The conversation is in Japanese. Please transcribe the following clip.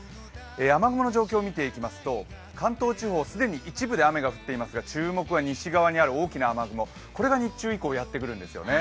雨雲の状況を見ていきますと、関東地方、既に一部で雨が降っていますが、注目は西側ある大きな雨雲が日中以降やってくるんですよね。